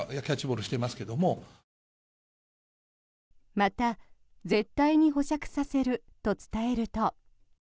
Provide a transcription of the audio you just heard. また、絶対に保釈させると伝えると。